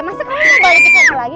masa kamu gak balik tiket kamu lagi